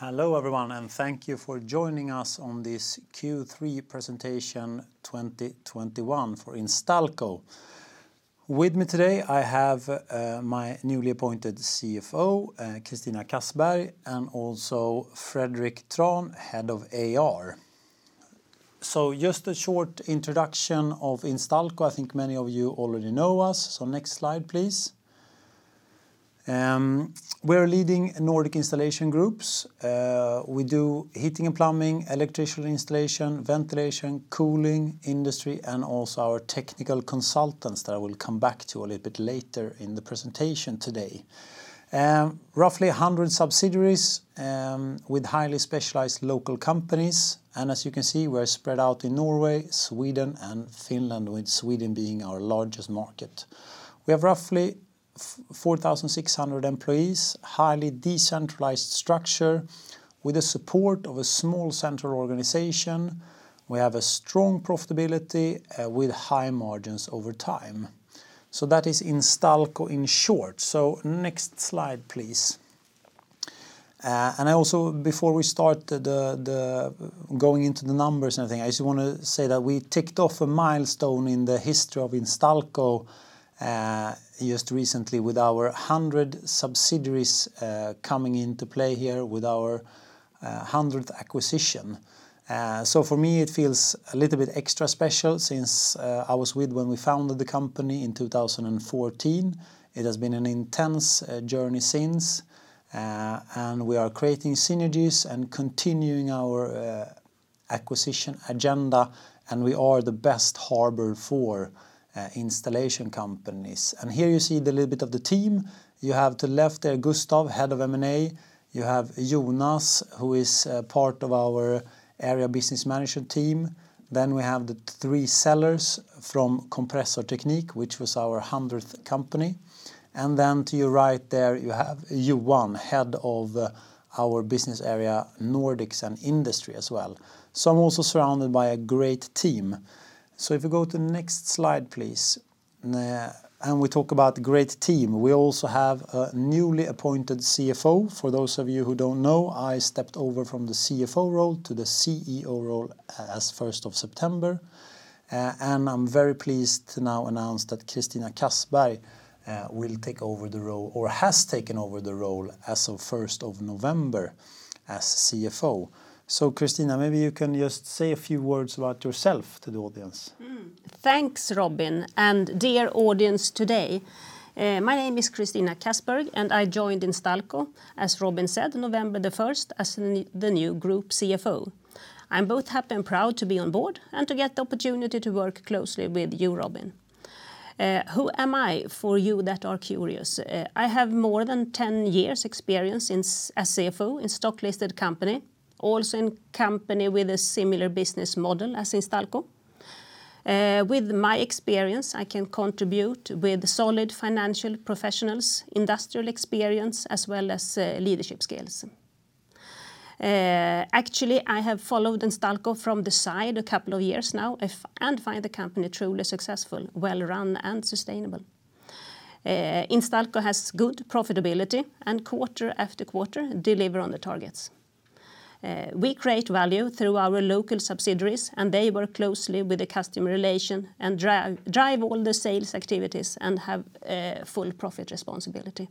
Hello everyone, and thank you for joining us on this Q3 presentation 2021 for Instalco. With me today I have my newly appointed CFO, Christina Kassberg, and also Fredrik Trahn, head of IR. Just a short introduction of Instalco. I think many of you already know us. Next slide, please. We're a leading Nordic installation group. We do heating and plumbing, electrical installation, ventilation, cooling, industry, and also our technical consultants that I will come back to a little bit later in the presentation today. Roughly 100 subsidiaries with highly specialized local companies. As you can see, we're spread out in Norway, Sweden, and Finland, with Sweden being our largest market. We have roughly 4,600 employees, highly decentralized structure with the support of a small central organization. We have a strong profitability with high margins over time. That is Instalco in short. Next slide, please. I also, before we start going into the numbers and everything, just wanna say that we ticked off a milestone in the history of Instalco just recently with our 100 subsidiaries coming into play here with our 100th acquisition. For me, it feels a little bit extra special since I was there when we founded the company in 2014. It has been an intense journey since, and we are creating synergies and continuing our acquisition agenda, and we are the best harbor for installation companies. Here you see a little bit of the team. You have to the left there, Gustav, Head of M&A. You have Jonas, who is part of our area business management team. We have the three sellers from Kompressorteknik, which was our 100th company. To your right there, you have Johan, head of our business area, Nordics and Industry as well. I'm also surrounded by a great team. If you go to the next slide, please. We talk about great team. We also have a newly appointed CFO. For those of you who don't know, I stepped over from the CFO role to the CEO role as of the first of September. I'm very pleased to now announce that Christina Kassberg will take over the role or has taken over the role as of the first of November as CFO. Christina, maybe you can just say a few words about yourself to the audience. Thanks, Robin. Dear audience today, my name is Christina Kassberg, and I joined Instalco, as Robin said, November 1 as the new Group CFO. I'm both happy and proud to be on board and to get the opportunity to work closely with you, Robin. Who am I for you that are curious? I have more than 10 years experience as CFO in stock listed company, also in company with a similar business model as Instalco. With my experience, I can contribute with solid financial professionalism, industrial experience, as well as leadership skills. Actually, I have followed Instalco from the side a couple of years now and find the company truly successful, well run and sustainable. Instalco has good profitability and quarter after quarter deliver on the targets. We create value through our local subsidiaries, and they work closely with the customer relation and drive all the sales activities and have full profit responsibility.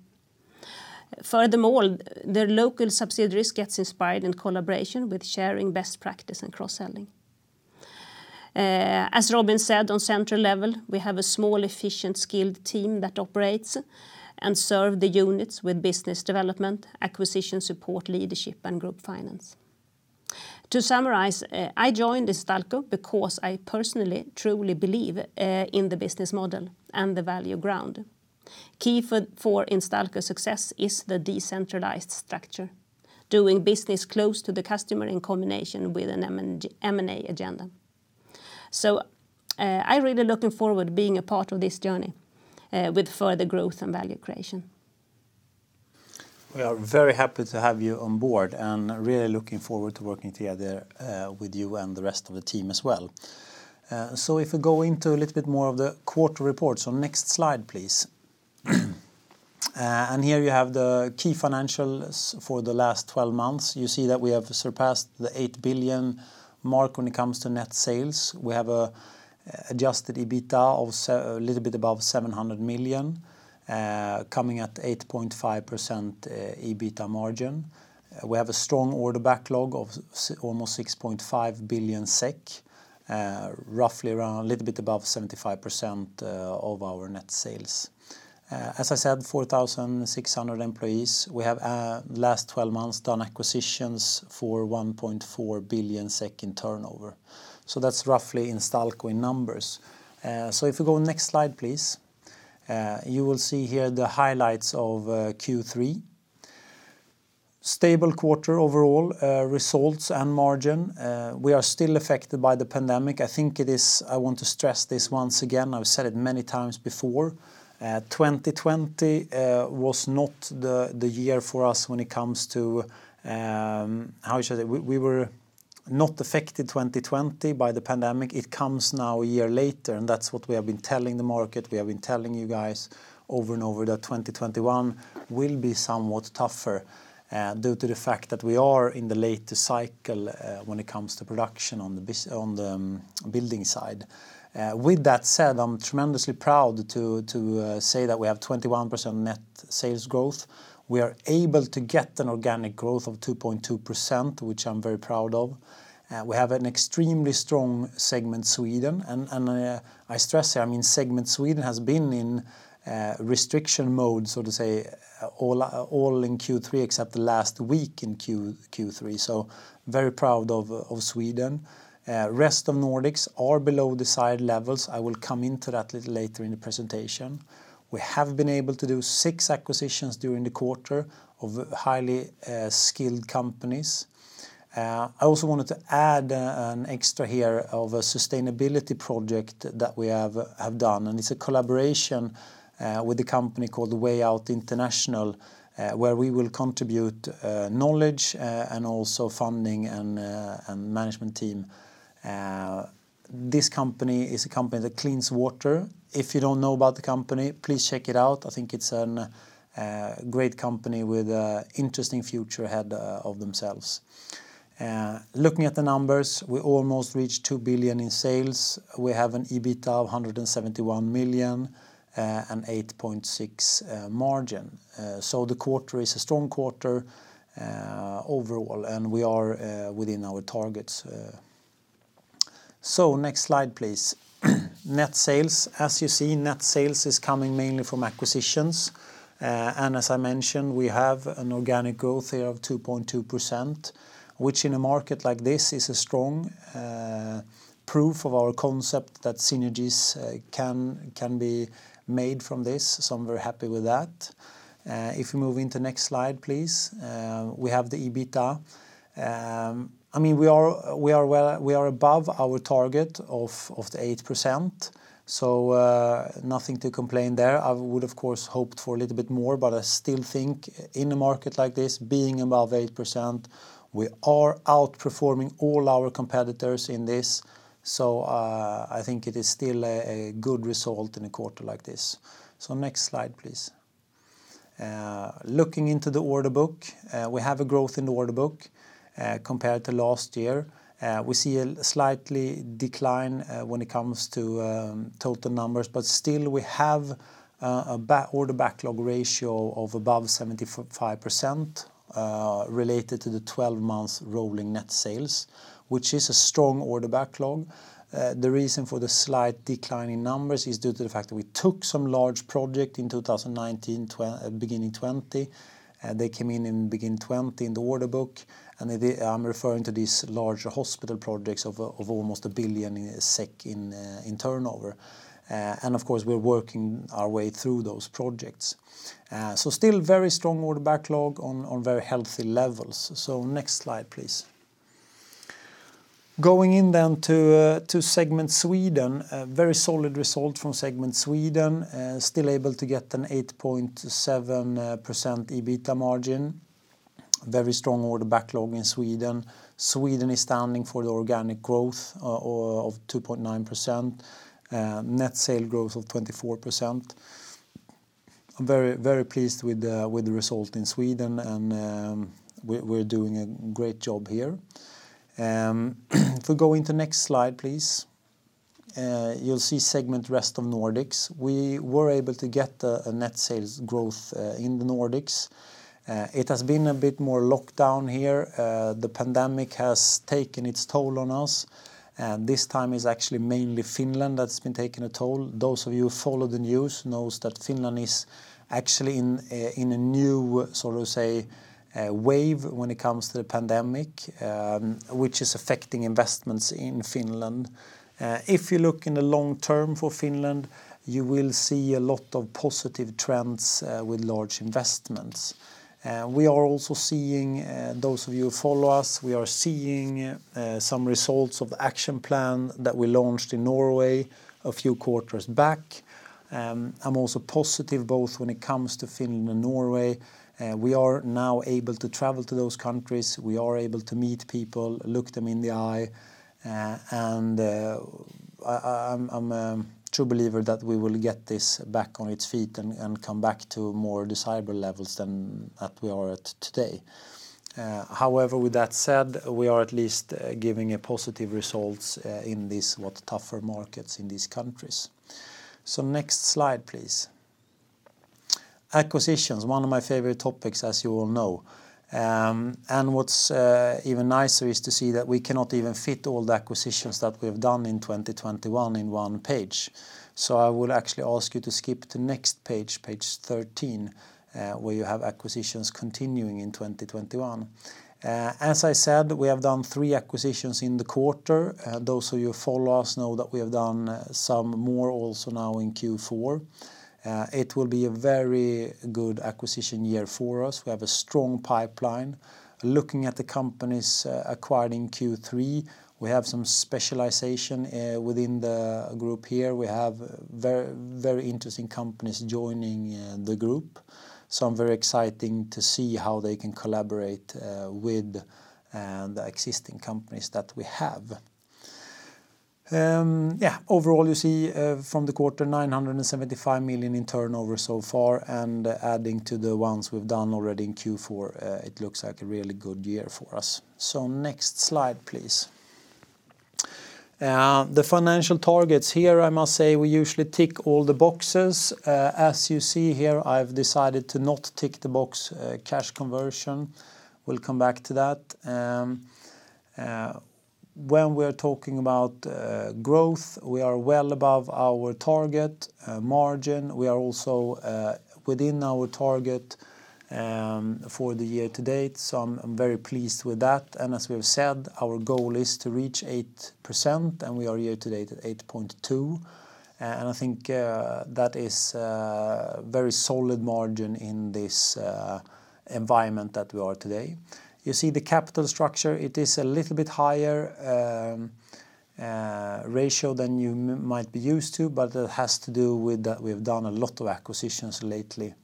Furthermore, the local subsidiaries gets inspired in collaboration with sharing best practice and cross-selling. As Robin said, on central level, we have a small, efficient, skilled team that operates and serve the units with business development, acquisition support, leadership, and group finance. To summarize, I joined Instalco because I personally truly believe in the business model and the value ground. Key for Instalco success is the decentralized structure, doing business close to the customer in combination with an M&A agenda. I really looking forward being a part of this journey with further growth and value creation. We are very happy to have you on board and really looking forward to working together, with you and the rest of the team as well. If we go into a little bit more of the quarter report, next slide, please. Here you have the key financials for the last twelve months. You see that we have surpassed the 8 billion mark when it comes to net sales. We have a adjusted EBITDA of a little bit above 700 million, coming at 8.5% EBITDA margin. We have a strong order backlog of almost 6.5 billion SEK, roughly around a little bit above 75% of our net sales. As I said, 4,600 employees. We have in the last 12 months done acquisitions for 1.4 billion in turnover. That's roughly Instalco in numbers. If you go to the next slide, please. You will see here the highlights of Q3. Stable quarter overall, results and margin. We are still affected by the pandemic. I think it is. I want to stress this once again. I've said it many times before, 2020 was not the year for us when it comes to how you say that. We were not affected in 2020 by the pandemic. It comes now a year later, and that's what we have been telling the market. We have been telling you guys over and over that 2021 will be somewhat tougher due to the fact that we are in the later cycle when it comes to production on the building side. With that said, I'm tremendously proud to say that we have 21% net sales growth. We are able to get an organic growth of 2.2%, which I'm very proud of. We have an extremely strong Segment Sweden, and I stress here, I mean, Segment Sweden has been in restriction mode, so to say, all in Q3 except the last week in Q3. So very proud of Sweden. Rest of Nordics are below desired levels. I will come into that a little later in the presentation. We have been able to do six acquisitions during the quarter of highly skilled companies. I also wanted to add an extra here of a sustainability project that we have done, and it's a collaboration with a company called Wayout International, where we will contribute knowledge and also funding and management team. This company is a company that cleans water. If you don't know about the company, please check it out. I think it's a great company with an interesting future ahead of themselves. Looking at the numbers, we almost reached 2 billion in sales. We have an EBITA of 171 million and 8.6% margin. The quarter is a strong quarter overall, and we are within our targets. Next slide, please. Net sales. As you see, net sales is coming mainly from acquisitions. As I mentioned, we have an organic growth here of 2.2%, which in a market like this is a strong proof of our concept that synergies can be made from this. I'm very happy with that. If we move into next slide, please. We have the EBITA. I mean, we are well above our target of the 8%, so nothing to complain there. I would, of course, hoped for a little bit more, but I still think in a market like this, being above 8%, we are outperforming all our competitors in this. I think it is still a good result in a quarter like this. Next slide, please. Looking into the order book, we have a growth in the order book compared to last year. We see a slight decline when it comes to total numbers, but still we have a backlog ratio of above 75% related to the 12 months rolling net sales, which is a strong order backlog. The reason for the slight decline in numbers is due to the fact that we took some large projects in 2019, beginning 2020. They came in beginning 2020 in the order book, and I'm referring to these larger hospital projects of almost 1 billion SEK in turnover. Of course, we're working our way through those projects. Still very strong order backlog on very healthy levels. Next slide, please. Going in to Segment Sweden, a very solid result from Segment Sweden. Still able to get an 8.27% EBITA margin. Very strong order backlog in Sweden. Sweden is standing for the organic growth of 2.9%. Net sales growth of 24%. I'm very pleased with the result in Sweden, and we're doing a great job here. If we go into next slide, please. You'll see Segment Rest of Nordics. We were able to get a net sales growth in the Nordics. It has been a bit more lockdown here. The pandemic has taken its toll on us, and this time it's actually mainly Finland that's been taking a toll. Those of you who follow the news knows that Finland is actually in a new, so to say, wave when it comes to the pandemic, which is affecting investments in Finland. If you look in the long term for Finland, you will see a lot of positive trends with large investments. We are also seeing, those of you who follow us, some results of the action plan that we launched in Norway a few quarters back. I'm also positive both when it comes to Finland and Norway. We are now able to travel to those countries. We are able to meet people, look them in the eye, and I'm a true believer that we will get this back on its feet and come back to more desirable levels than that we are at today. However, with that said, we are at least giving a positive results in these a lot tougher markets in these countries. Next slide, please. Acquisitions, one of my favorite topics, as you all know. What's even nicer is to see that we cannot even fit all the acquisitions that we've done in 2021 in one page. I will actually ask you to skip to next page 13, where you have acquisitions continuing in 2021. As I said, we have done three acquisitions in the quarter. Those of you who follow us know that we have done some more also now in Q4. It will be a very good acquisition year for us. We have a strong pipeline. Looking at the companies acquired in Q3, we have some specialization within the group here. We have very interesting companies joining the group. I'm very exciting to see how they can collaborate with the existing companies that we have. Overall you see from the quarter 975 million in turnover so far, and adding to the ones we've done already in Q4, it looks like a really good year for us. Next slide, please. The financial targets here, I must say we usually tick all the boxes. As you see here, I've decided to not tick the box, cash conversion. We'll come back to that. When we're talking about growth, we are well above our target margin. We are also within our target for the year-to-date, so I'm very pleased with that. As we have said, our goal is to reach 8%, and we are year-to-date at 8.2%. I think that is very solid margin in this environment that we are today. You see the capital structure, it is a little bit higher ratio than you might be used to, but it has to do with we've done a lot of acquisitions lately.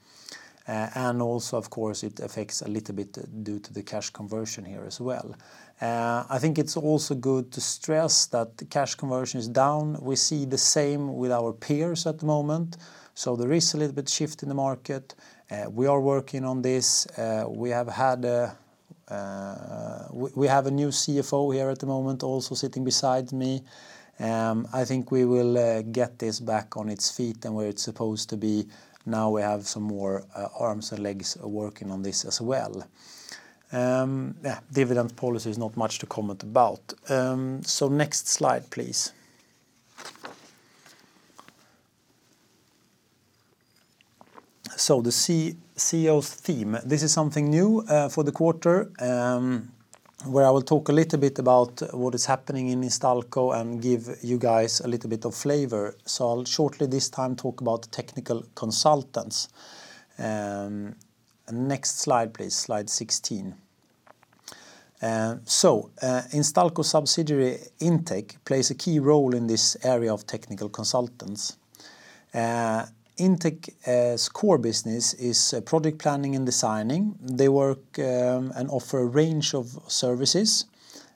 Also of course, it affects a little bit due to the cash conversion here as well. I think it's also good to stress that the cash conversion is down. We see the same with our peers at the moment, so there is a little bit shift in the market. We are working on this. We have a new CFO here at the moment also sitting beside me. I think we will get this back on its feet and where it's supposed to be now we have some more arms and legs working on this as well. Yeah, dividend policy is not much to comment about. Next slide, please. The CEO's theme, this is something new for the quarter, where I will talk a little bit about what is happening in Instalco and give you guys a little bit of flavor. I'll shortly this time talk about technical consultants. Next slide, please. Slide 16. Instalco subsidiary Intec plays a key role in this area of technical consultants. Intec's core business is project planning and designing. They work and offer a range of services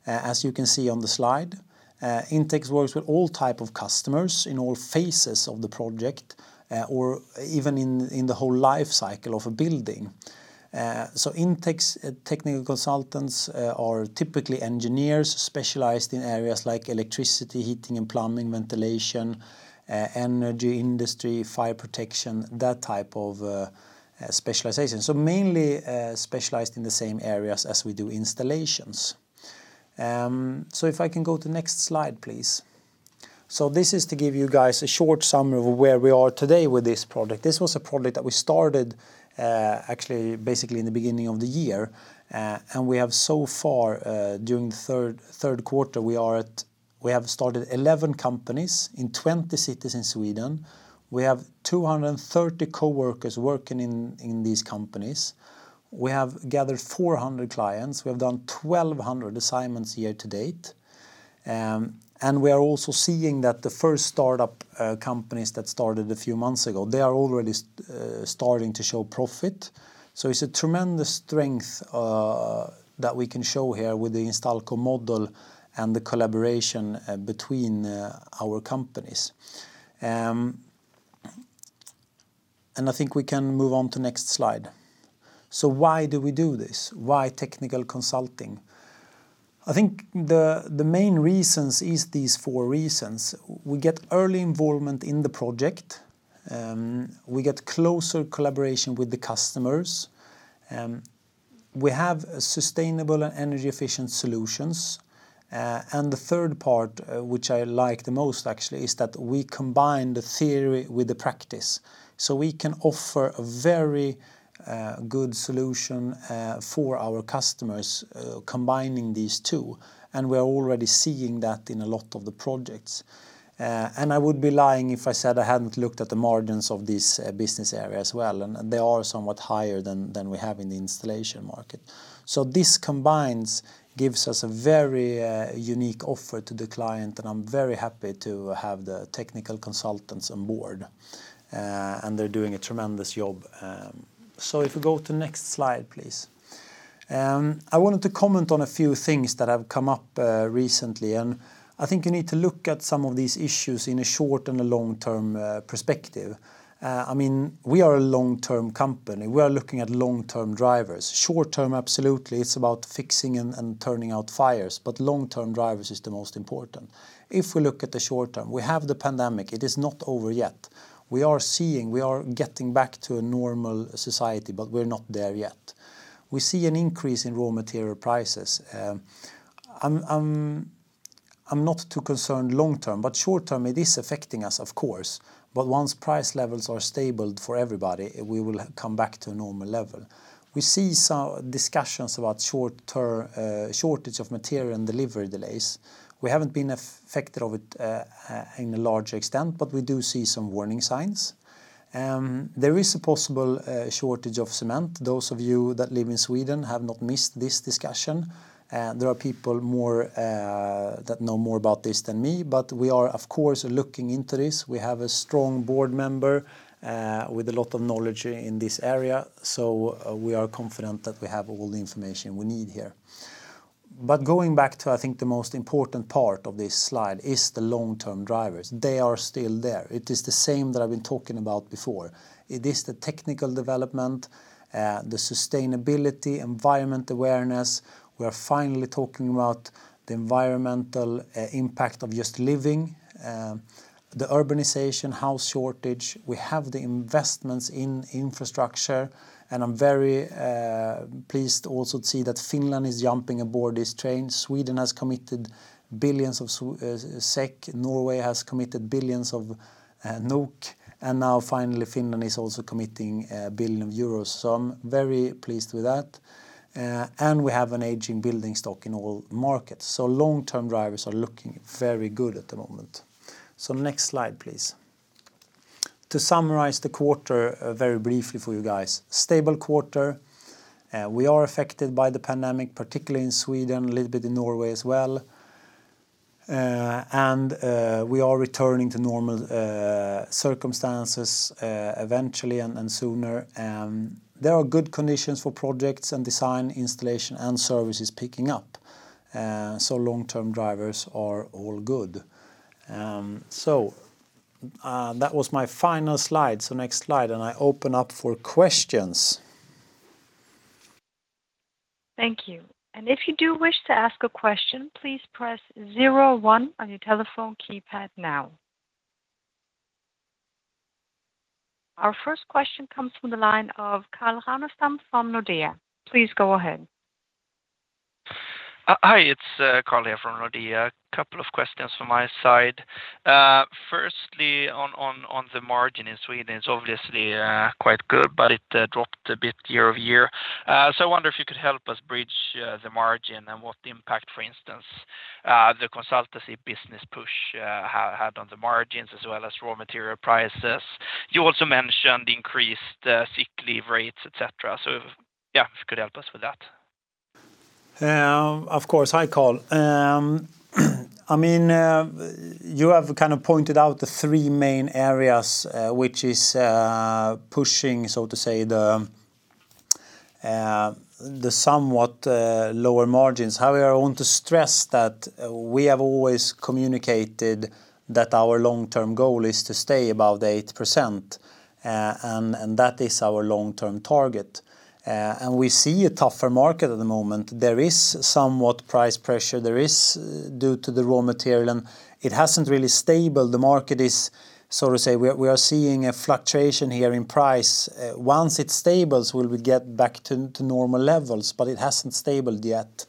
as you can see on the slide. Intec works with all types of customers in all phases of the project or even in the whole life cycle of a building. Intec's technical consultants are typically engineers specialized in areas like electricity, heating and plumbing, ventilation, energy industry, fire protection, that type of specialization. Mainly specialized in the same areas as we do installations. If I can go to next slide, please. This is to give you guys a short summary of where we are today with this project. This was a project that we started, actually basically in the beginning of the year. We have so far, during the third quarter, we have started 11 companies in 20 cities in Sweden. We have 230 coworkers working in these companies. We have gathered 400 clients. We have done 1200 assignments year-to-date. We are also seeing that the first startup companies that started a few months ago, they are already starting to show profit. It's a tremendous strength that we can show here with the Instalco model and the collaboration between our companies. I think we can move on to next slide. Why do we do this? Why technical consulting? I think the main reasons is these four reasons. We get early involvement in the project. We get closer collaboration with the customers. We have a sustainable and energy-efficient solutions. The third part, which I like the most actually, is that we combine the theory with the practice, so we can offer a very good solution for our customers, combining these two, and we are already seeing that in a lot of the projects. I would be lying if I said I hadn't looked at the margins of this business area as well, and they are somewhat higher than we have in the installation market. This combines, gives us a very unique offer to the client, and I'm very happy to have the technical consultants on board, and they're doing a tremendous job. If you go to next slide, please. I wanted to comment on a few things that have come up recently, and I think you need to look at some of these issues in a short and a long-term perspective. I mean, we are a long-term company. We are looking at long-term drivers. Short-term, absolutely, it's about fixing and turning out fires, but long-term drivers is the most important. If we look at the short term, we have the pandemic. It is not over yet. We are seeing, we are getting back to a normal society, but we're not there yet. We see an increase in raw material prices. I'm not too concerned long term, but short term, it is affecting us, of course. Once price levels are stabilized for everybody, we will come back to a normal level. We see some discussions about shortage of material and delivery delays. We haven't been affected by it in a large extent, but we do see some warning signs. There is a possible shortage of cement. Those of you that live in Sweden have not missed this discussion. There are people who know more about this than me, but we are of course looking into this. We have a strong board member with a lot of knowledge in this area, so we are confident that we have all the information we need here. Going back to, I think, the most important part of this slide is the long-term drivers. They are still there. It is the same that I've been talking about before. It is the technical development, the sustainability, environmental awareness. We are finally talking about the environmental impact of just living, the urbanization, housing shortage. We have the investments in infrastructure, and I'm very pleased also to see that Finland is jumping aboard this train. Sweden has committed billions, Norway has committed billions, and now finally Finland is also committing 1 billion euros. I'm very pleased with that. We have an aging building stock in all markets. Long-term drivers are looking very good at the moment. Next slide, please. To summarize the quarter very briefly for you guys, stable quarter. We are affected by the pandemic, particularly in Sweden, a little bit in Norway as well. We are returning to normal circumstances eventually and sooner. There are good conditions for projects and design, installation, and service is picking up. Long-term drivers are all good. That was my final slide. Next slide, and I open up for questions. Thank you. If you do wish to ask a question, please press zero one on your telephone keypad now. Our first question comes from the line of Carl Ragnerstam from Nordea. Please go ahead. Hi. It's Carl Ragnerstam here from Nordea. Couple of questions from my side. Firstly, on the margin in Sweden, it's obviously quite good, but it dropped a bit year-over-year. I wonder if you could help us bridge the margin and what the impact, for instance, the consultancy business push had on the margins as well as raw material prices. You also mentioned increased sick leave rates, et cetera. If you could help us with that. Of course. Hi, Carl. I mean, you have kind of pointed out the three main areas, which is pushing, so to say, the somewhat lower margins. However, I want to stress that we have always communicated that our long-term goal is to stay above 8%, and that is our long-term target. We see a tougher market at the moment. There is somewhat price pressure. There is, due to the raw material, and it hasn't really stabilized. The market is, so to say, we are seeing a fluctuation here in price. Once it stabilizes, we will get back to normal levels, but it hasn't stabilized yet.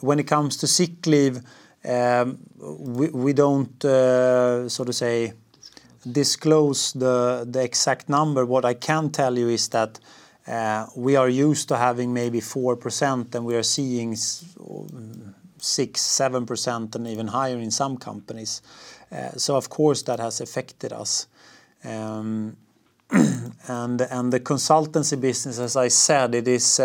When it comes to sick leave, we don't, so to say, disclose the exact number. What I can tell you is that we are used to having maybe 4%, and we are seeing 6% to 7%, and even higher in some companies. Of course, that has affected us. The consultancy business, as I said, it is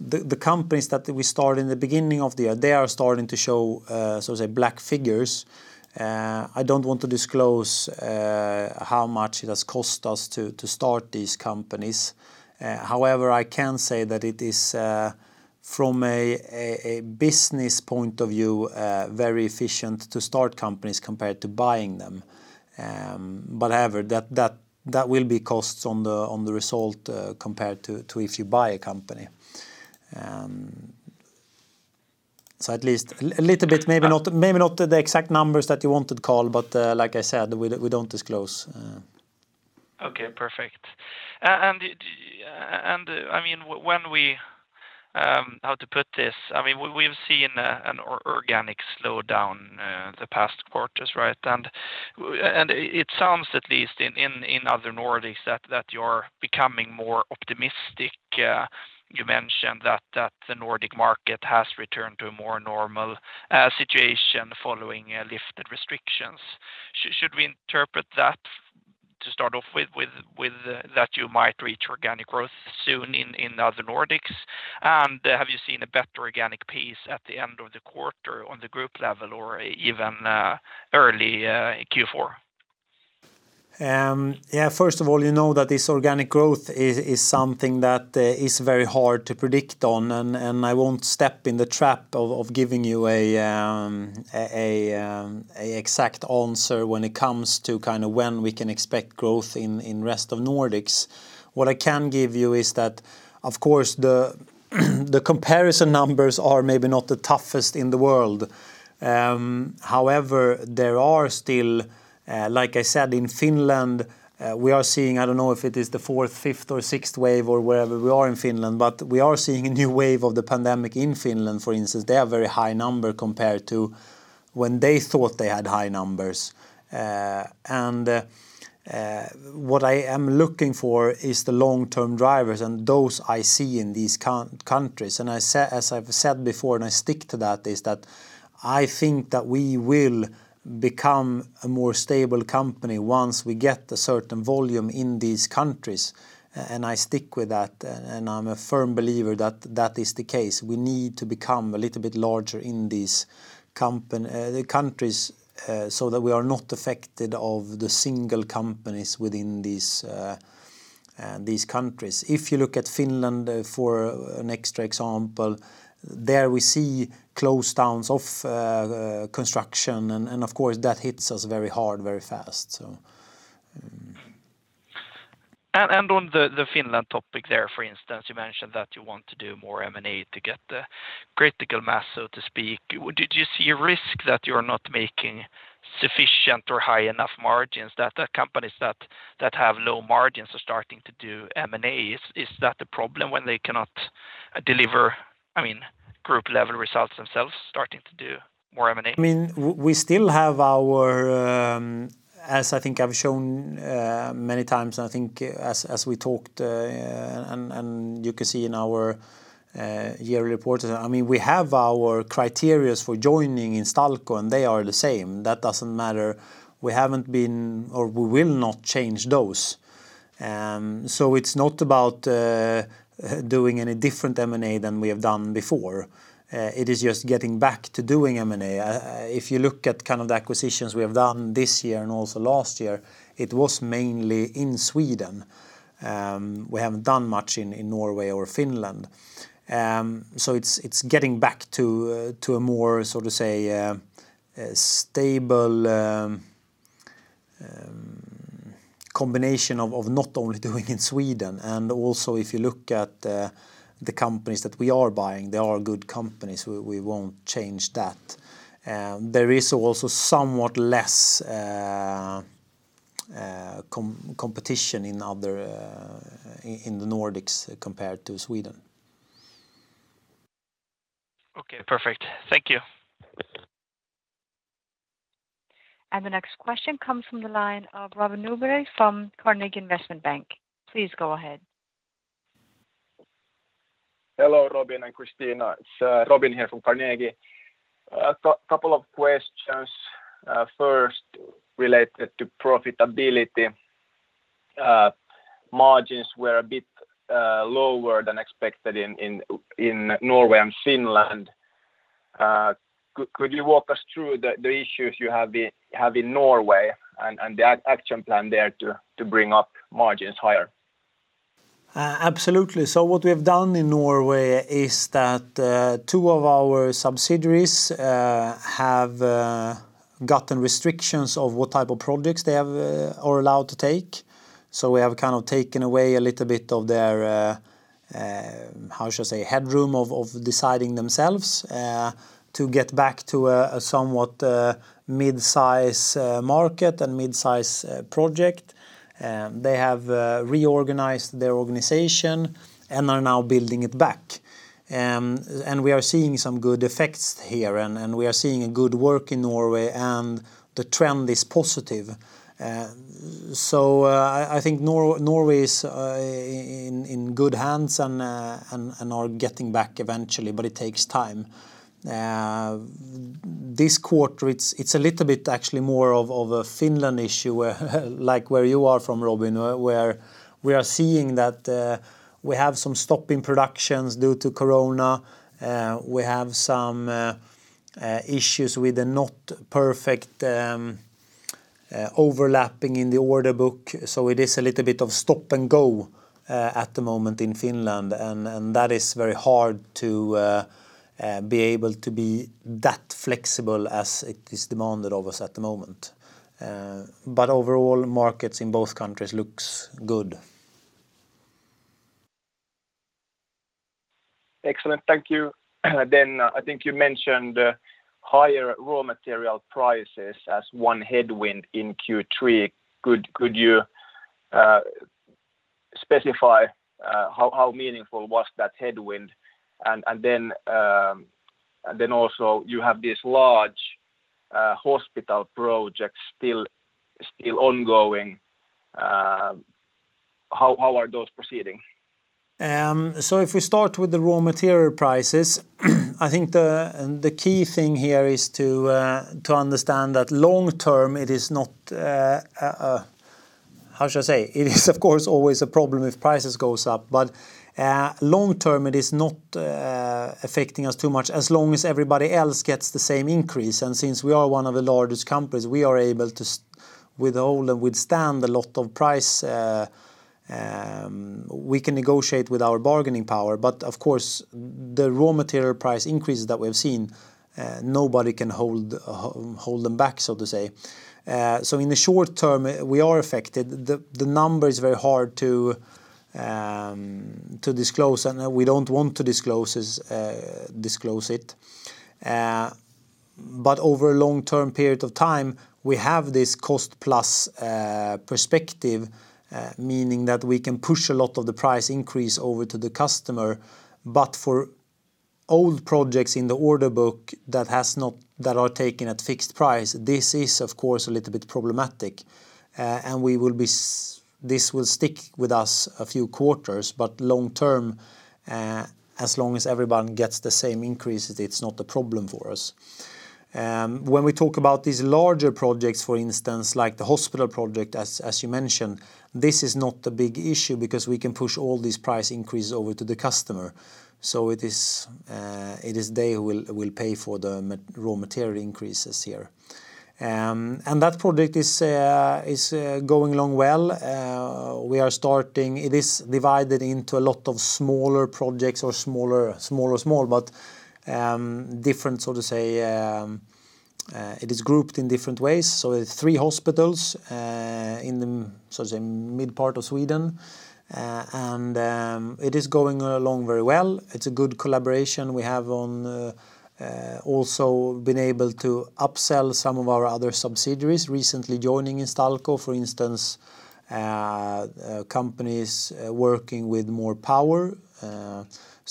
the companies that we start in the beginning of the year, they are starting to show so to say, black figures. I don't want to disclose how much it has cost us to start these companies. However, I can say that it is from a business point of view very efficient to start companies compared to buying them. However, that will be costs on the result compared to if you buy a company. At least a little bit, maybe not the exact numbers that you wanted, Carl, but like I said, we don't disclose. Okay. Perfect. I mean, how to put this? I mean, we've seen an organic slowdown the past quarters, right? It sounds at least in other Nordics that you're becoming more optimistic. You mentioned that the Nordic market has returned to a more normal situation following lifted restrictions. Should we interpret that, to start off with, that you might reach organic growth soon in other Nordics? Have you seen a better organic pace at the end of the quarter on the group level or even early in Q4? Yeah, first of all, you know that this organic growth is something that is very hard to predict on, and I won't step in the trap of giving you a exact answer when it comes to kind of when we can expect growth in rest of Nordics. What I can give you is that, of course, the comparison numbers are maybe not the toughest in the world. However, there are still, like I said, in Finland, we are seeing. I don't know if it is the fourth, fifth, or sixth wave or wherever we are in Finland, but we are seeing a new wave of the pandemic in Finland, for instance. They have very high number compared to when they thought they had high numbers. What I am looking for is the long-term drivers, and those I see in these countries. As I've said before, and I stick to that, is that I think that we will become a more stable company once we get a certain volume in these countries, and I stick with that. I'm a firm believer that that is the case. We need to become a little bit larger in these countries, so that we are not affected by the single companies within these countries. If you look at Finland, for an extra example, there we see slowdowns in construction, and of course that hits us very hard, very fast. On the Finland topic there, for instance, you mentioned that you want to do more M&A to get the critical mass, so to speak. Did you see a risk that you're not making sufficient or high enough margins that the companies that have low margins are starting to do M&A? Is that a problem when they cannot deliver, I mean, group level results themselves starting to do more M&A? I mean, we still have our, as I think I've shown many times, and I think as we talked, and you can see in our yearly report. I mean, we have our criteria for joining Instalco, and they are the same. That doesn't matter. We haven't been, or we will not change those. So it's not about doing any different M&A than we have done before. It is just getting back to doing M&A. If you look at kind of the acquisitions we have done this year and also last year, it was mainly in Sweden. We haven't done much in Norway or Finland. So it's getting back to a more, so to say, stable combination of not only doing in Sweden. Also if you look at the companies that we are buying, they are good companies. We won't change that. There is also somewhat less competition in other in the Nordics compared to Sweden. Okay, perfect. Thank you. The next question comes from the line of Robin Nyberg from Carnegie Investment Bank. Please go ahead. Hello, Robin and Christina. It's Robin here from Carnegie. A couple of questions. First related to profitability. Margins were a bit lower than expected in Norway and Finland. Could you walk us through the issues you have in Norway and the action plan there to bring up margins higher? Absolutely. What we have done in Norway is that two of our subsidiaries have gotten restrictions of what type of projects they are allowed to take. We have kind of taken away a little bit of their how should I say, headroom of deciding themselves to get back to a somewhat midsize market and midsize project. They have reorganized their organization and are now building it back. We are seeing some good effects here and we are seeing a good work in Norway, and the trend is positive. I think Norway is in good hands and are getting back eventually, but it takes time. This quarter it's a little bit actually more of a Finland issue, like where you are from Robin, where we are seeing that we have some stopping productions due to corona. We have some issues with the not perfect overlapping in the order backlog. It is a little bit of stop-and-go at the moment in Finland. That is very hard to be able to be that flexible as it is demanded of us at the moment. But overall markets in both countries looks good. Excellent. Thank you. I think you mentioned higher raw material prices as one headwind in Q3. Could you specify how meaningful was that headwind? Also you have this large hospital project still ongoing. How are those proceeding? If we start with the raw material prices, I think the key thing here is to understand that long term it is not how should I say? It is of course always a problem if prices goes up, but long term it is not affecting us too much as long as everybody else gets the same increase. Since we are one of the largest companies, we are able to withhold and withstand a lot of price we can negotiate with our bargaining power. Of course, the raw material price increases that we have seen nobody can hold them back, so to say. In the short term, we are affected. The number is very hard to disclose, and we don't want to disclose it. Over a long-term period of time, we have this cost plus perspective, meaning that we can push a lot of the price increase over to the customer. For old projects in the order book that are taken at fixed price, this is of course a little bit problematic. This will stick with us a few quarters, but long term, as long as everyone gets the same increases, it is not a problem for us. When we talk about these larger projects, for instance, like the hospital project as you mentioned, this is not a big issue because we can push all these price increases over to the customer. It is they who will pay for the raw material increases here. That project is going along well. It is divided into a lot of smaller projects or smaller but different, so to say, it is grouped in different ways. It's three hospitals in the sort of, say, mid part of Sweden. It is going along very well. It's a good collaboration we have on also been able to upsell some of our other subsidiaries recently joining Instalco, for instance, companies working with more power.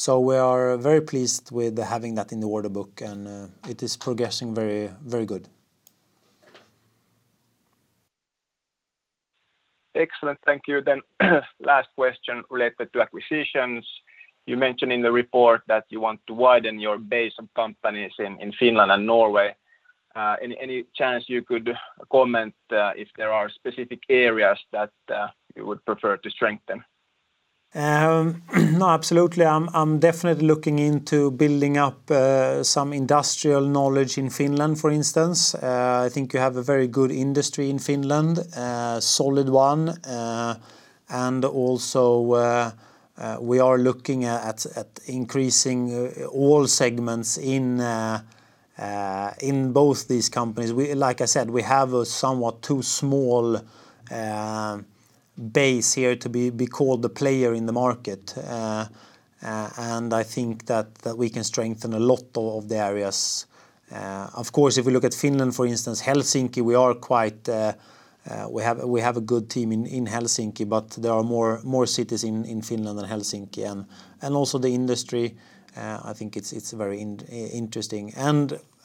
We are very pleased with having that in the order book, and it is progressing very good. Excellent. Thank you. Last question related to acquisitions. You mentioned in the report that you want to widen your base of companies in Finland and Norway. Any chance you could comment if there are specific areas that you would prefer to strengthen? No, absolutely. I'm definitely looking into building up some industrial knowledge in Finland, for instance. I think you have a very good industry in Finland, solid one. Also, we are looking at increasing all segments in both these companies. Like I said, we have a somewhat too small base here to be called the player in the market. I think that we can strengthen a lot of the areas. Of course, if we look at Finland, for instance, Helsinki, we have a good team in Helsinki, but there are more cities in Finland than Helsinki. Also the industry, I think it's very interesting.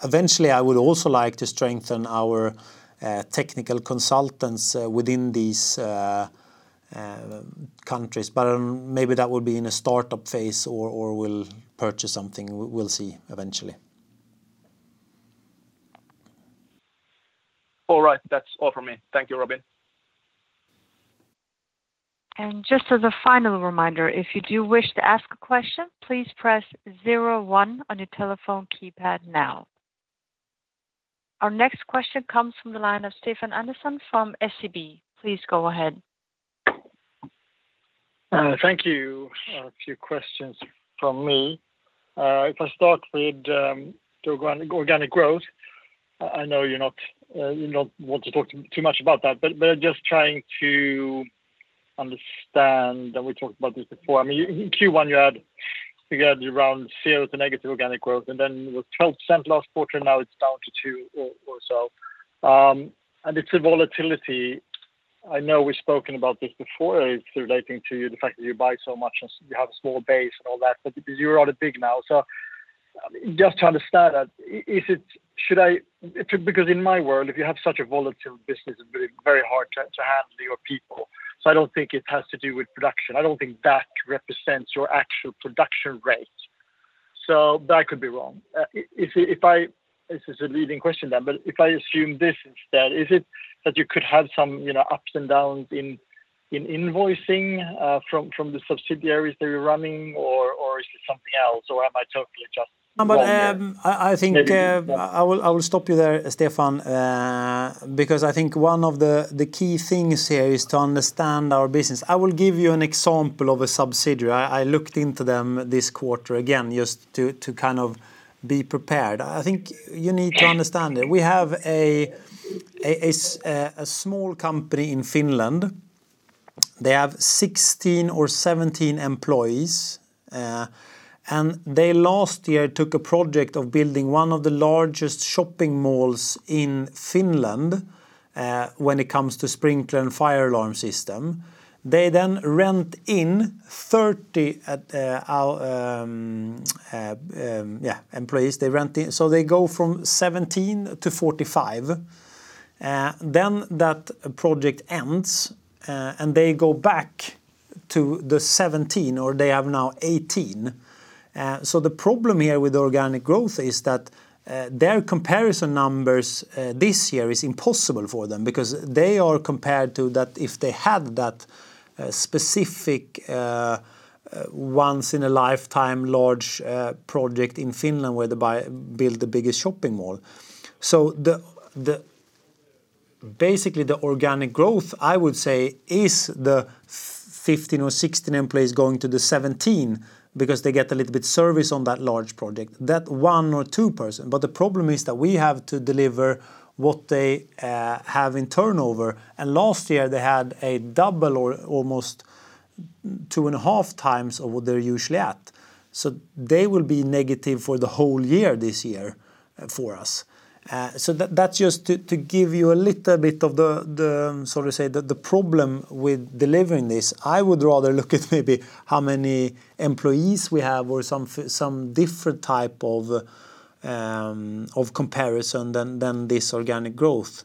Eventually, I would also like to strengthen our technical consultants within these countries. Maybe that will be in a startup phase or we'll purchase something. We'll see eventually. All right. That's all from me. Thank you, Robin. Just as a final reminder, if you do wish to ask a question, please press zero one on your telephone keypad now. Our next question comes from the line of Stefan Andersson from SEB. Please go ahead. Thank you. A few questions from me. If I start with the organic growth, I know you don't want to talk too much about that, but just trying to understand, and we talked about this before. I mean, in Q1 you had around zero to negative organic growth, and then it was 12% last quarter, now it's down to 2% or so. It's a volatility. I know we've spoken about this before. It's relating to the fact that you buy so much and you have a small base and all that, but you're rather big now. So just to understand that, should I, because in my world, if you have such a volatile business, it'd be very hard to handle your people. So I don't think it has to do with production. I don't think that represents your actual production rate. I could be wrong. This is a leading question then, but if I assume this instead, is it that you could have some, you know, ups and downs in invoicing from the subsidiaries that you're running or is it something else, or am I totally just wrong here? I think Maybe- I will stop you there, Stefan, because I think one of the key things here is to understand our business. I will give you an example of a subsidiary. I looked into them this quarter again, just to kind of be prepared. I think you need to understand it. We have a small company in Finland. They have 16 or 17 employees, and they last year took a project of building one of the largest shopping malls in Finland, when it comes to sprinkler and fire alarm system. They then rent in 30 employees. So they go from 17 to 45. Then that project ends, and they go back to the 17, or they have now 18. The problem here with organic growth is that their comparison numbers this year is impossible for them because they are compared to that if they had that specific once in a lifetime large project in Finland where they build the biggest shopping mall. Basically, the organic growth, I would say, is the 15 or 16 employees going to the 17 because they get a little bit service on that large project. That one or two persons. The problem is that we have to deliver what they have in turnover, and last year they had a double or almost 2.5 times of what they're usually at. They will be negative for the whole year this year for us. That's just to give you a little bit of the, so to say, the problem with delivering this. I would rather look at maybe how many employees we have or some different type of comparison than this organic growth.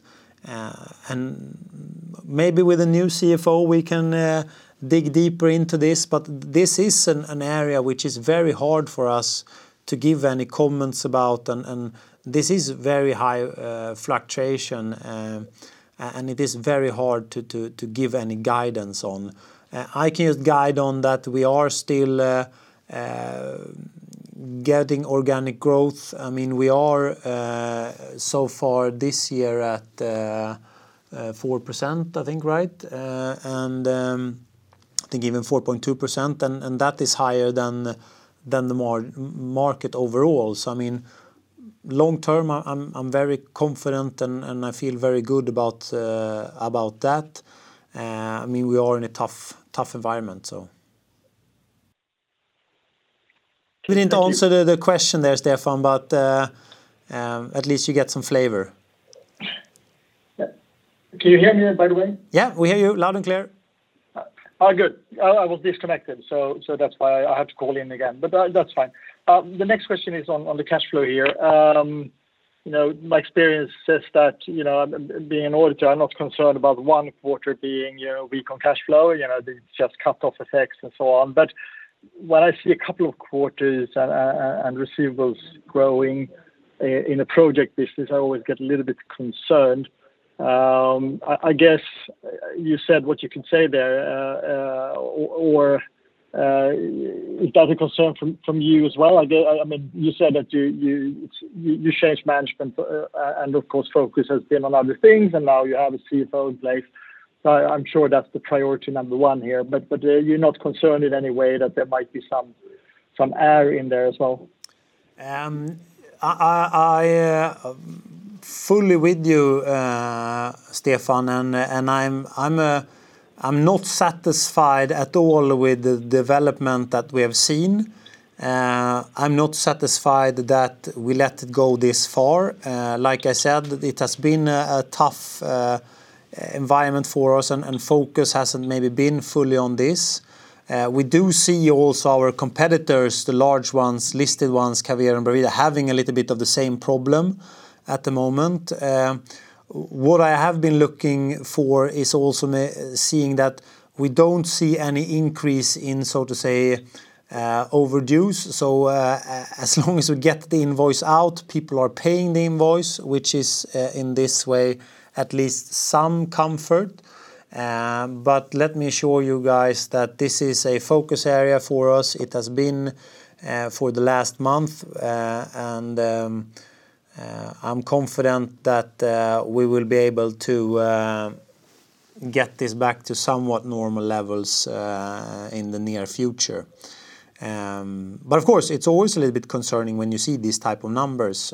Maybe with a new CFO, we can dig deeper into this, but this is an area which is very hard for us to give any comments about, and this is very high fluctuation, and it is very hard to give any guidance on. I can just guide on that we are still getting organic growth. I mean, we are so far this year at 4%, I think, right? I think even 4.2% and that is higher than the market overall. I mean, long term I'm very confident and I feel very good about that. I mean, we are in a tough environment, so. Thank you. We didn't answer the question there, Stefan, but at least you get some flavor. Yeah. Can you hear me by the way? Yeah, we hear you loud and clear. Oh, good. I was disconnected, so that's why I have to call in again. That's fine. The next question is on the cash flow here. You know, my experience says that, you know, being an auditor, I'm not concerned about one quarter being, you know, weak on cash flow, you know, it's just cut-off effects and so on. When I see a couple of quarters and receivables growing in a project business, I always get a little bit concerned. I guess you said what you can say there. Or, is that a concern from you as well? I mean, you said that you changed management, and of course, focus has been on other things, and now you have a CFO in place. I'm sure that's the priority number one here, but you're not concerned in any way that there might be some error in there as well? I'm fully with you, Stefan. I'm not satisfied at all with the development that we have seen. I'm not satisfied that we let it go this far. Like I said, it has been a tough environment for us, and focus hasn't maybe been fully on this. We do see also our competitors, the large ones, listed ones, Caverion and Bravida, having a little bit of the same problem at the moment. What I have been looking for is also seeing that we don't see any increase in, so to say, overdues. As long as we get the invoice out, people are paying the invoice, which is, in this way, at least some comfort. Let me assure you guys that this is a focus area for us. It has been for the last month. I'm confident that we will be able to get this back to somewhat normal levels in the near future. Of course, it's always a little bit concerning when you see these type of numbers.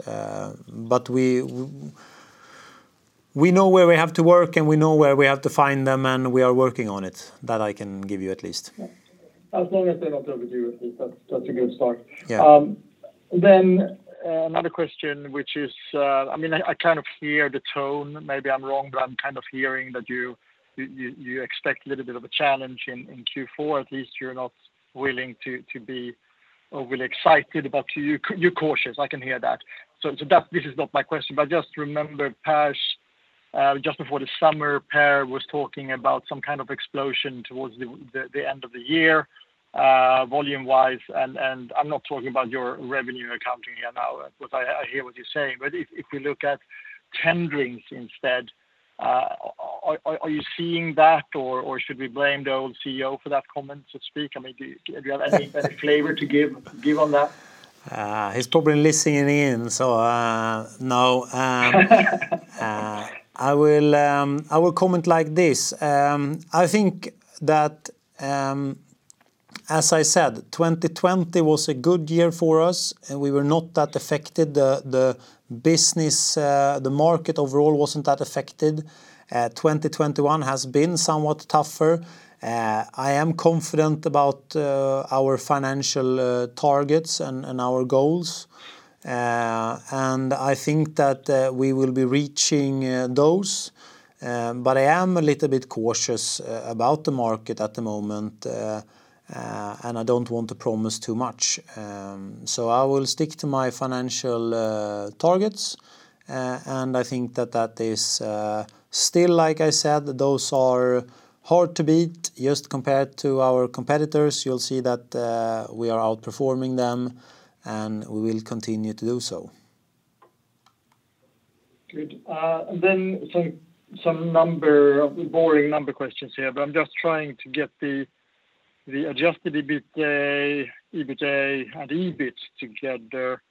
We know where we have to work, and we know where we have to find them, and we are working on it. That I can give you at least. As long as they're not overdue, at least that's a good start. Yeah. Another question, which is, I mean, I kind of hear the tone. Maybe I'm wrong, but I'm kind of hearing that you expect a little bit of a challenge in Q4. At least you're not willing to be overly excited, but you're cautious. I can hear that. That this is not my question, but just remember Per, just before the summer, Per was talking about some kind of explosion towards the end of the year, volume-wise, and I'm not talking about your revenue accounting here now, because I hear what you're saying. But if we look at tendering instead, are you seeing that, or should we blame the old CEO for that comment, so to speak? I mean, do you have any better flavor to give on that? He's probably listening in, so, no. I will comment like this. I think that, as I said, 2020 was a good year for us, and we were not that affected. The business, the market overall wasn't that affected. 2021 has been somewhat tougher. I am confident about our financial targets and our goals. I think that we will be reaching those. I am a little bit cautious about the market at the moment, and I don't want to promise too much. I will stick to my financial targets. I think that that is still, like I said, those are hard to beat just compared to our competitors. You'll see that, we are outperforming them, and we will continue to do so. Good. Then some boring number questions here, but I'm just trying to get the adjusted EBITA, EBITDA and EBIT together.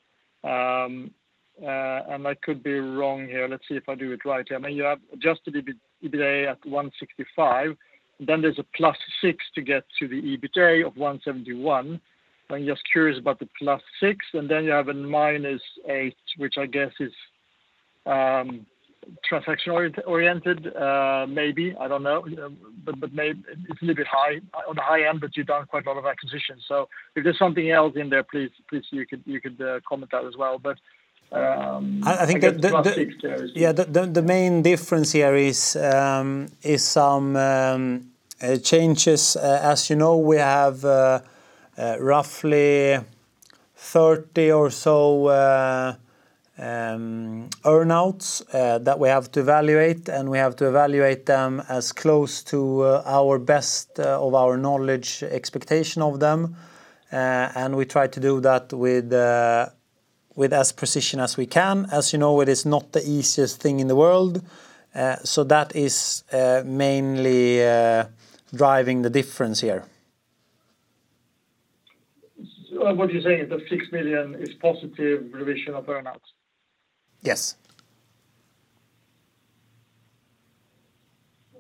I could be wrong here. Let's see if I do it right here. I mean, you have adjusted EBITA, EBITDA at 165. There's a +6 to get to the EBITDA of 171. I'm just curious about the +6. You have a -8, which I guess is transaction-oriented, maybe. I don't know. Maybe it's a little bit high, on the high end, but you've done quite a lot of acquisitions. If there's something else in there, please, you could comment that as well. I guess +6 there is- I think the main difference here is some changes. As you know, we have roughly 30 or so earn-outs that we have to evaluate, and we have to evaluate them as close to our best of our knowledge expectation of them. We try to do that with as much precision as we can. As you know, it is not the easiest thing in the world. So that is mainly driving the difference here. What you're saying is the 6 million is positive revision of earn-outs? Yes.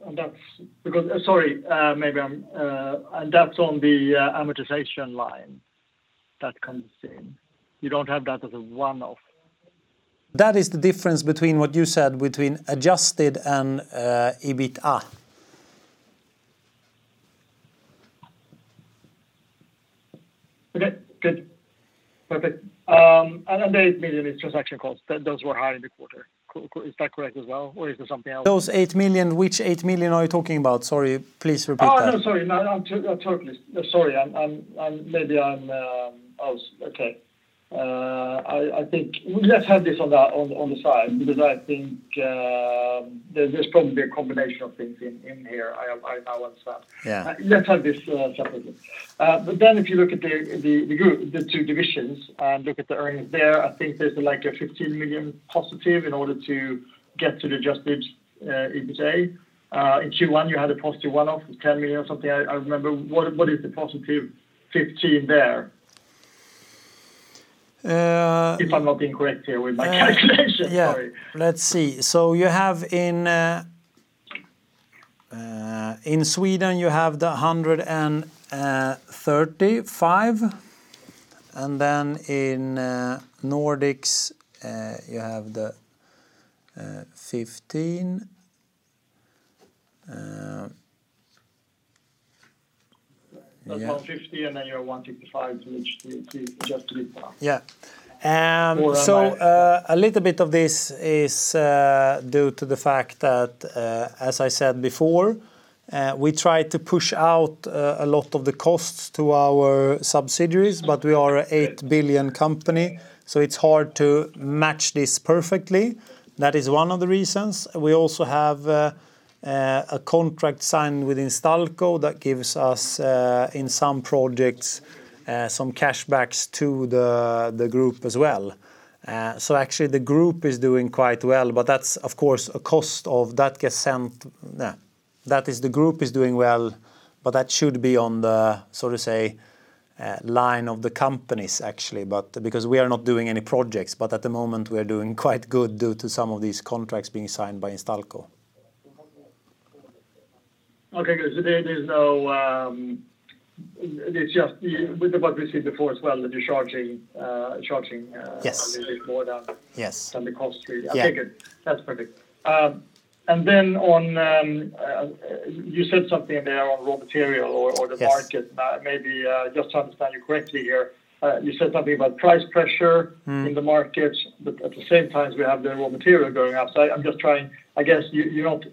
That's on the amortization line that comes in. You don't have that as a one-off. That is the difference between what you said between adjusted and EBITA. Okay, good. Perfect. The 8 million is transaction costs. Those were high in the quarter. Is that correct as well, or is there something else? Those 8 million, which 8 million are you talking about? Sorry, please repeat that. Oh, no, sorry. No, I'm totally. Sorry, I'm maybe. I was. Okay. I think let's have this on the side because I think there's probably a combination of things in here. I won't start. Yeah. Let's have this separately. If you look at the group, the two divisions, and look at the earnings there, I think there's like a 15 million positive in order to get to the adjusted EBITDA. In Q1, you had a positive one-off of 10 million or something. I remember. What is the positive 15 there? Uh- If I'm not incorrect here with my calculation. Sorry. Yeah. Let's see. You have in Sweden the 135, and then in Nordics you have the 15. Yeah. That's SEK 150, and then your SEK 135, which the adjusted EBITDA. Yeah. Am I? A little bit of this is due to the fact that, as I said before, we try to push out a lot of the costs to our subsidiaries. Okay We are an 8 billion company, so it's hard to match this perfectly. That is one of the reasons. We also have a contract signed with Instalco that gives us in some projects some cash backs to the group as well. Actually the group is doing quite well, but that should be on the, so to say, line of the companies actually, but because we are not doing any projects, but at the moment we are doing quite good due to some of these contracts being signed by Instalco. Okay, good. There's no. It's just with what we've seen before as well, the discharging, charging. Yes... a bit more than- Yes than the cost really. Yeah. Okay, good. That's perfect. You said something there on raw material. Yes... or the market. Maybe, just to understand you correctly here, you said something about price pressure- Mm... in the markets, but at the same time we have the raw material going up. I'm just trying, I guess. You're not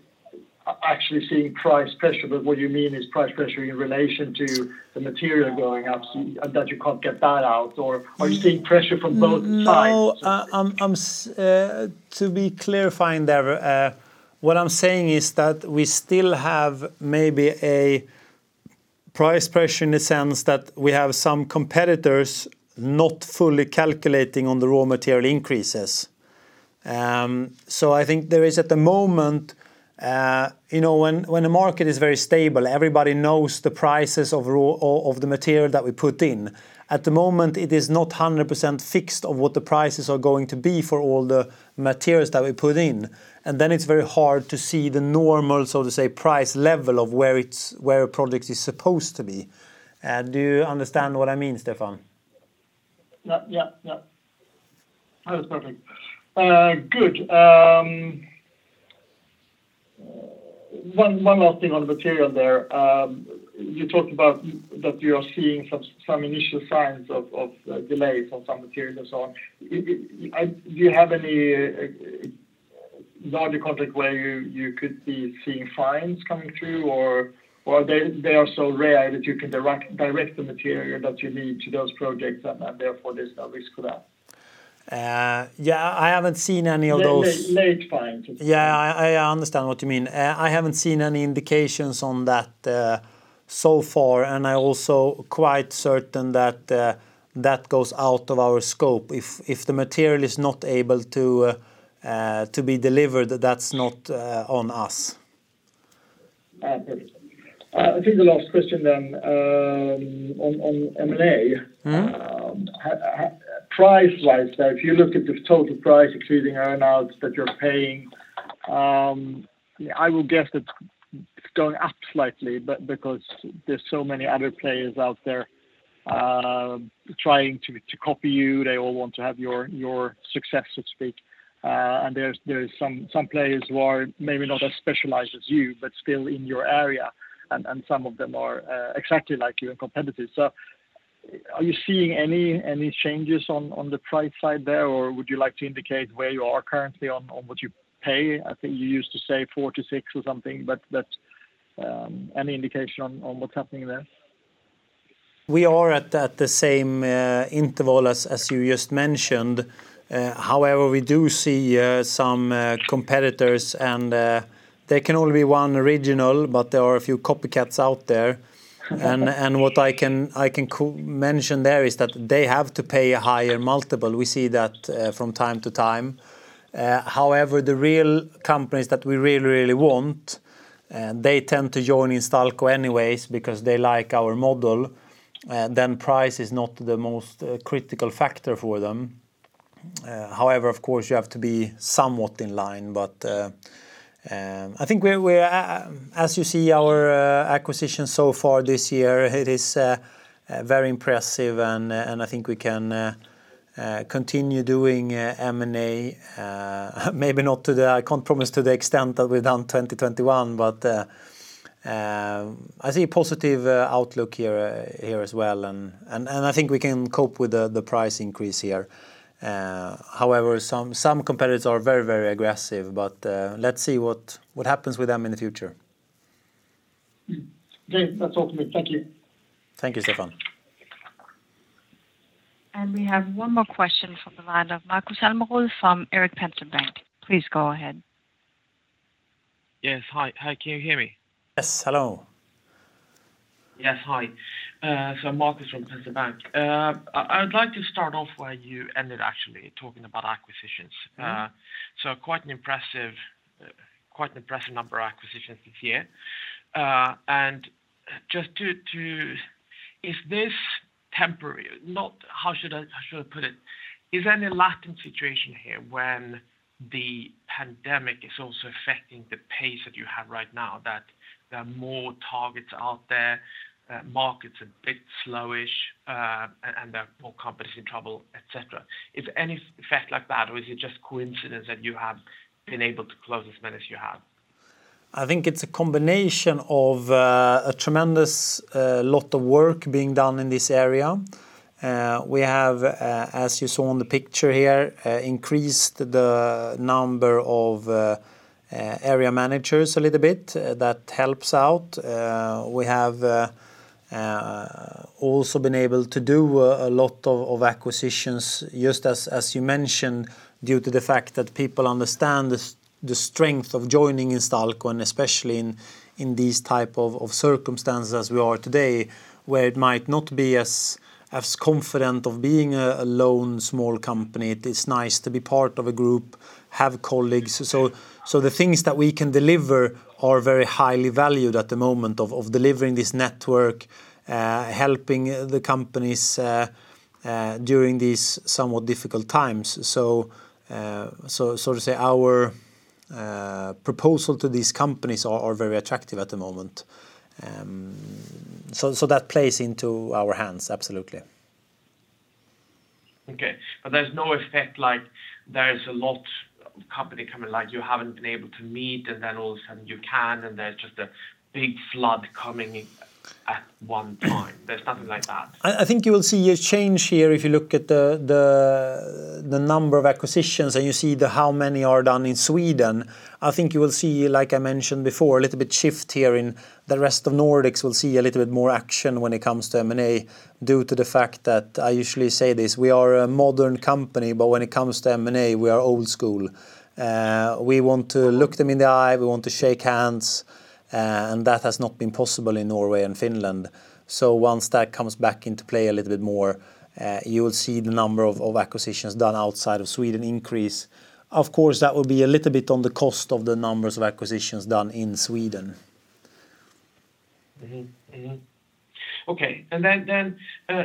actually seeing price pressure, but what you mean is price pressure in relation to the material going up, and that you can't get that out, or are you seeing pressure from both sides? No, I'm to be clear, however, what I'm saying is that we still have maybe a price pressure in the sense that we have some competitors not fully calculating on the raw material increases. So I think there is at the moment, when the market is very stable, everybody knows the prices of raw material that we put in. At the moment, it is not 100% fixed of what the prices are going to be for all the materials that we put in, and then it's very hard to see the normal, so to say, price level where a project is supposed to be. Do you understand what I mean, Stefan? Yeah. That was perfect. One last thing on the material there. You talked about that you are seeing some initial signs of delays on some materials and so on. Do you have any larger contract where you could be seeing fines coming through, or they are so rare that you can direct the material that you need to those projects and therefore there's no risk of that? Yeah, I haven't seen any of those. Late fines. Yeah. I understand what you mean. I haven't seen any indications on that so far, and I'm also quite certain that that goes out of our scope. If the material is not able to be delivered, that's not on us. Perfect. I think the last question then, on M&A. Mm. Price-wise there, if you look at the total price, including earn-outs that you're paying, I would guess it's going up slightly because there's so many other players out there trying to copy you. They all want to have your success, so to speak. There's some players who are maybe not as specialized as you, but still in your area, and some of them are exactly like you and competitive. Are you seeing any changes on the price side there, or would you like to indicate where you are currently on what you pay? I think you used to say four to six or something, but any indication on what's happening there? We are at the same interval as you just mentioned. However, we do see some competitors, and there can only be one original, but there are a few copycats out there. What I can mention there is that they have to pay a higher multiple. We see that from time to time. However, the real companies that we really want, they tend to join Instalco anyways because they like our model, and then price is not the most critical factor for them. However, of course, you have to be somewhat in line. I think, as you see our acquisitions so far this year, it is very impressive and I think we can continue doing M&A. Maybe not to the I can't promise to the extent that we've done 2021, but I see a positive outlook here as well. I think we can cope with the price increase here. However, some competitors are very aggressive, but let's see what happens with them in the future. Great. That's all from me. Thank you. Thank you, Stefan. We have one more question from the line of Marcus Almerud from Erik Penser Bank. Please go ahead. Yes. Hi. Hi, can you hear me? Yes. Hello. Yes. Hi. Marcus Almerud from Erik Penser Bank. I'd like to start off where you ended, actually, talking about acquisitions. Mm-hmm. Quite an impressive number of acquisitions this year. Is this temporary? How should I put it? Is there any lull situation here when the pandemic is also affecting the pace that you have right now, that there are more targets out there, that market's a bit slowish, and there are more companies in trouble, et cetera? Is there any effect like that, or is it just coincidence that you have been able to close as many as you have? I think it's a combination of a tremendous lot of work being done in this area. We have, as you saw on the picture here, increased the number of area managers a little bit. That helps out. We have also been able to do a lot of acquisitions just as you mentioned, due to the fact that people understand the strength of joining Instalco, and especially in these type of circumstances we are today, where it might not be as confident of being a lone small company. It is nice to be part of a group, have colleagues. The things that we can deliver are very highly valued at the moment of delivering this network, helping the companies during these somewhat difficult times. To say our proposal to these companies are very attractive at the moment. That plays into our hands, absolutely. Okay. There's no effect like there's a lot of companies coming, like you haven't been able to meet, and then all of a sudden you can, and there's just a big flood coming at one time. There's nothing like that? I think you will see a change here if you look at the number of acquisitions, and you see how many are done in Sweden. I think you will see, like I mentioned before, a little bit shift here in the rest of Nordics. We'll see a little bit more action when it comes to M&A due to the fact that I usually say this, we are a modern company, but when it comes to M&A, we are old school. We want to look them in the eye, we want to shake hands, and that has not been possible in Norway and Finland. Once that comes back into play a little bit more, you will see the number of acquisitions done outside of Sweden increase. Of course, that would be a little bit on the cost and the numbers of acquisitions done in Sweden. Okay.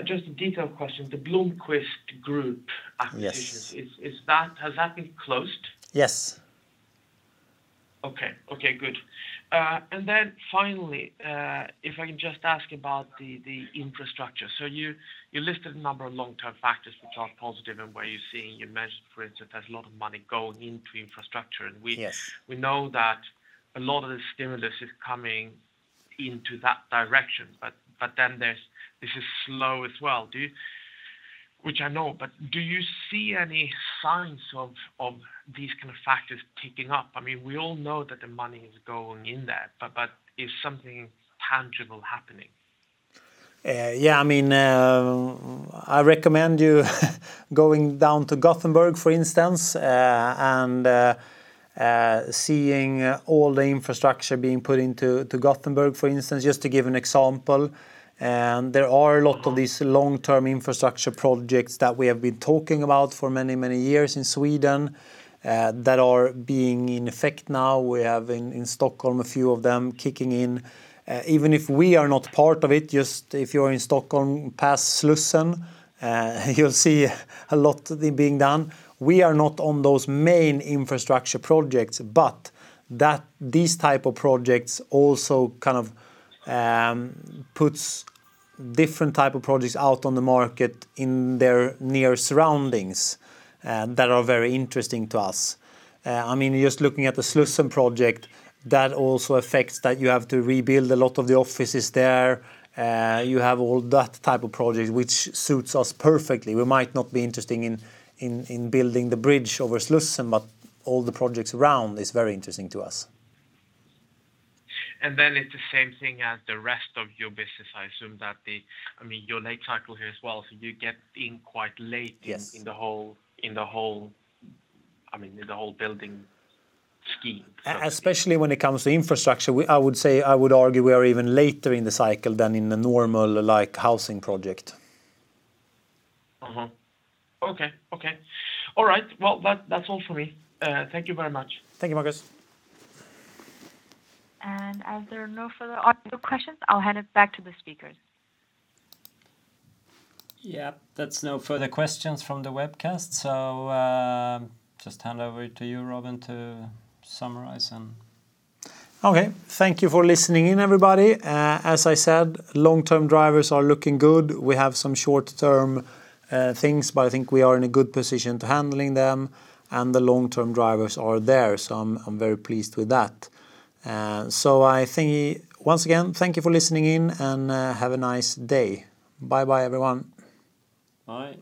Just a detailed question. The Blomquist Group acquisitions- Yes Is that, has that been closed? Yes. Okay. Okay, good. Finally, if I can just ask about the infrastructure. You listed a number of long-term factors which are positive and where you're seeing, you mentioned for instance, there's a lot of money going into infrastructure, and we Yes We know that a lot of the stimulus is coming into that direction, but then there's this is slow as well. Which I know, but do you see any signs of these kind of factors picking up? I mean, we all know that the money is going in there, but is something tangible happening? Yeah, I mean, I recommend you going down to Gothenburg, for instance, and seeing all the infrastructure being put into Gothenburg, for instance, just to give an example. There are a lot of these long-term infrastructure projects that we have been talking about for many, many years in Sweden that are being in effect now. We have in Stockholm a few of them kicking in. Even if we are not part of it, just if you're in Stockholm past Slussen, you'll see a lot there being done. We are not on those main infrastructure projects, but that these type of projects also kind of puts different type of projects out on the market in their near surroundings that are very interesting to us. I mean, just looking at the Slussen project, that also affects that you have to rebuild a lot of the offices there. You have all that type of project, which suits us perfectly. We might not be interested in building the bridge over Slussen, but all the projects around is very interesting to us. It's the same thing as the rest of your business, I assume, that, I mean, you're late cycle here as well, so you get in quite late. Yes I mean, in the whole building scheme. Especially when it comes to infrastructure, I would say, I would argue we are even later in the cycle than in the normal, like, housing project. Okay. All right. Well, that's all for me. Thank you very much. Thank you, Marcus. As there are no further audio questions, I'll hand it back to the speakers. Yeah. That's no further questions from the webcast, so just hand over to you, Robin, to summarize and. Okay. Thank you for listening in, everybody. As I said, long-term drivers are looking good. We have some short-term things, but I think we are in a good position to handling them, and the long-term drivers are there, so I'm very pleased with that. I think once again, thank you for listening in, and have a nice day. Bye-bye, everyone. Bye.